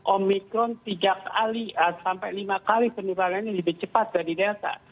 omikron tiga kali sampai lima kali penularannya lebih cepat dari delta